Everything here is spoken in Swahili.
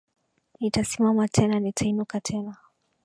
Nitasimama tena, nitainuka tena